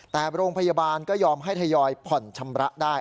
แต่โรงพยาบาลก็ยอมให้ทยอยผ่อนชำระได้